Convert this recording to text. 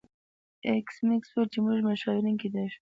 ایس میکس وویل چې موږ مشاورین کیدای شو